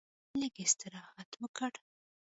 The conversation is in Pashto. لږ استراحت وکړ.